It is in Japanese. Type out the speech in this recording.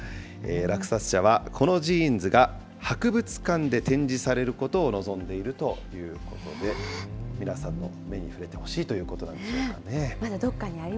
落札者は、このジーンズが、博物館で展示されることを望んでいるということで、皆さんの目に触れてほしいということなんでしょうかね。